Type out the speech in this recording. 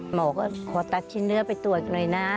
หมอก็ขอตัดชิ้นเนื้อไปตรวจหน่อยนะ